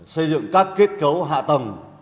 xây dựng các kết cấu hạ tầng